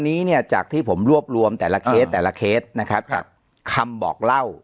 นี้เนี่ยจากที่ผมรวบรวมแต่ละเคสแต่ละเคสนะครับกับคำบอกเล่า